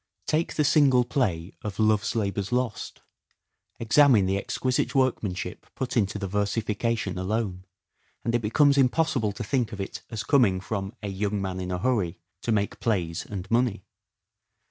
Take the single play of " Love's Labour's Lost," examine the exquisite workmanship put into the versification alone, and it becomes impossible to think of it as coming from " a young man in a hurry " to make plays and money.